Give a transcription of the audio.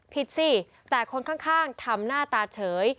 สิแต่คนข้างทำหน้าตาเฉย